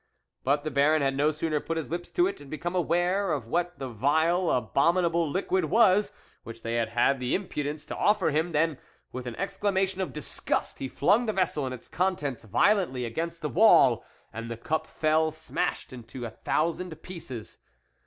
But the Baron had no sooner put his lips to it and become aware of what the vile, abominable liquid was, which they had had the impudence to offer him, than, with an exclamation of disgust, he flung the vessel and its contents violently against the wall, and the cup fell, smashed into a thousand pieces.